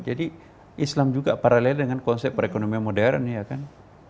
jadi islam juga paralel dengan konsep perekonomian modern ya kan